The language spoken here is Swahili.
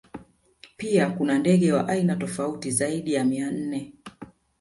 Pia kuna ndege wa aina tofauti zaidi ya mia nne